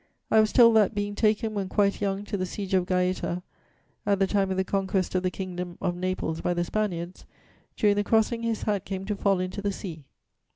I was told that, being taken, when quite young, to the siege of Gaeta, at the time of the conquest of the Kingdom of Naples by the Spaniards, during the crossing his hat came to fall into the sea.